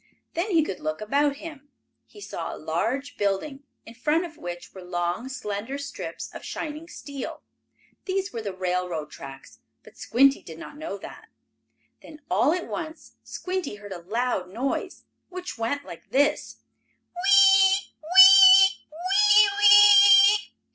Then he could look about him. He saw a large building, in front of which were long, slender strips of shining steel. These were the railroad tracks, but Squinty did not know that. Then all at once, Squinty heard a loud noise, which went like this: "Whee! Whee! Whee whee!"